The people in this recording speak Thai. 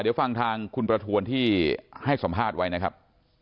เดี๋ยวฟังทางคุณประทวนที่ให้สัมภาษณ์ไว้นะครับ